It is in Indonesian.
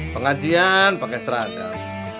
pengajian pakai seragam